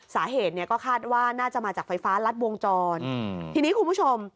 สาเหตุเนี่ยก็คาดว่าน่าจะมาจากไฟฟ้ารัดวงจรอืมทีนี้คุณผู้ชม